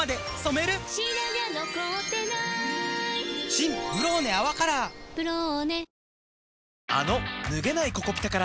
新「ブローネ泡カラー」「ブローネ」